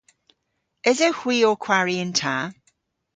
Esewgh hwi ow kwari yn ta?